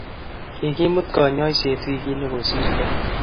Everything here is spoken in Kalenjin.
kikimut kanyoiset wikit ne kosirtoi